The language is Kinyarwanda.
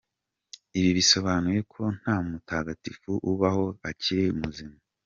Ibi bisobanuye ko nta mutagatifu ubaho akiri muzima.